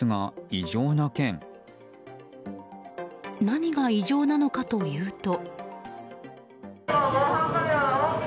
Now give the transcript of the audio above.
何が異常なのかというと。